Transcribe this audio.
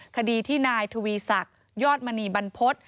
คดีที่นายทวีศักดิ์ยอดมณีบรรพฤษ